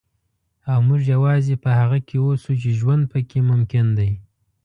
او موږ یوازې په هغه کې اوسو چې ژوند پکې ممکن دی.